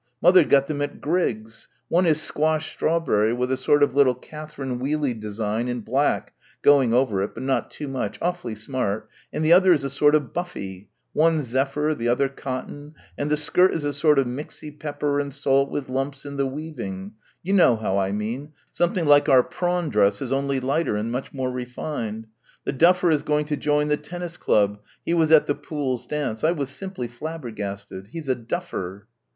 Mother got them at Grigg's one is squashed strawberry with a sort of little catherine wheely design in black going over it but not too much, awfully smart; and the other is a sort of buffy; one zephyr, the other cotton, and the skirt is a sort of mixey pepper and salt with lumps in the weaving you know how I mean, something like our prawn dresses only lighter and much more refined. The duffer is going to join the tennis club he was at the Pooles' dance. I was simply flabbergasted. He's a duffer."